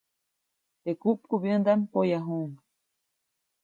Teʼ kupkubyändaʼm poyajuʼuŋ.